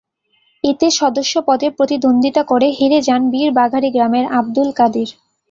এতে সদস্য পদে প্রতিদ্বন্দ্বিতা করে হেরে যান বীর বাঘারি গ্রামের আবদুল কাদির।